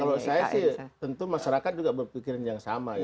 kalau saya sih tentu masyarakat juga berpikiran yang sama ya